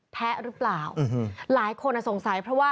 แพะหรือเปล่าหลายคนสงสัยเพราะว่า